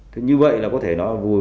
thế như vậy là có thể nói là vùi